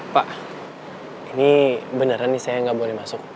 pak ini beneran nih saya nggak boleh masuk